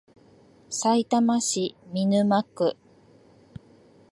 さいたま市見沼区